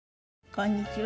こんにちは。